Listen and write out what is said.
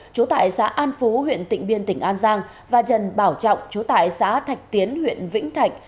chú tại xã an phú huyện tỉnh biên tỉnh an giang và dần bảo trọng chú tại xã thạch tiến huyện vĩnh thạch